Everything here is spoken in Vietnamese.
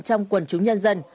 trong quần chúng nhân dân